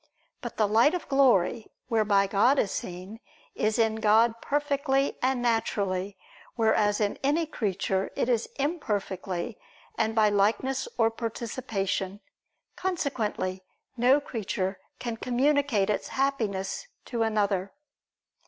But the light of glory, whereby God is seen, is in God perfectly and naturally; whereas in any creature, it is imperfectly and by likeness or participation. Consequently no creature can communicate its Happiness to another.